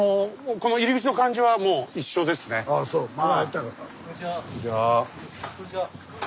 こんにちは。